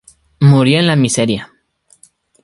Murió en la miseria"".